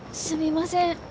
すみません。